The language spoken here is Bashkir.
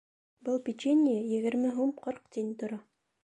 Был печенье егерме һум ҡырҡ тин тора.